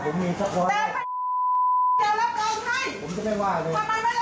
ถ้าผมมีชาวบ้านจะรับรองให้ผมจะไม่ว่าเลย